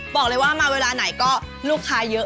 บอกเลยว่ามาเวลาไหนก็ลูกค้าเยอะ